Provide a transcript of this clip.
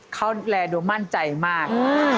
เขาแรงดูมั่นใจมาก